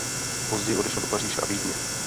Později odešel do Paříže a Vídně.